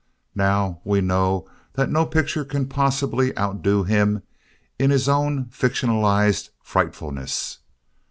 Now we know that no picture can possibly outdo him in his own fictionized frightfulness.